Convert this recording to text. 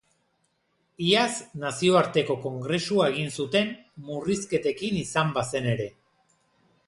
Iaz nazioarteko kongresua egin zuten, murrizketekin izan bazen ere.